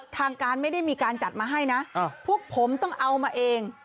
ทางการไม่ได้มีการจัดมาให้นะพวกผมต้องเอามาเอง